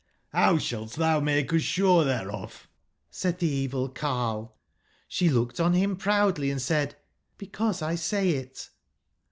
'How shalt thou make us sure thereof?' said the evil carle. She looked on him proudly & said: 'Because I say it.'